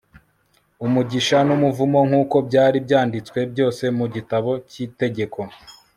umugisha n'umuvumo, nk'uko byari byanditswe byose mu gitabo cy'itegeko